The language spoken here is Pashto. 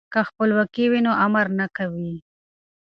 که خپلواکي وي نو امر نه وي.